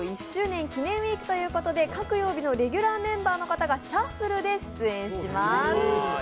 １周年記念ウィークということで各曜日のレギュラーメンバーの方がシャッフルで出演します。